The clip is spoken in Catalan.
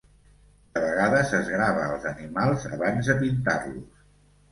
De vegades es grava els animals abans de pintar-los.